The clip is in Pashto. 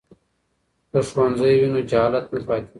که ښوونځی وي نو جهالت نه پاتیږي.